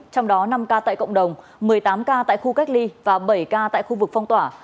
trong đó năm ca tại cộng đồng một mươi tám ca tại khu cách ly và bảy ca tại khu vực phong tỏa